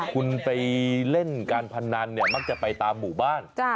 คุณไปเล่นการพนันเนี่ยมักจะไปตามหมู่บ้าน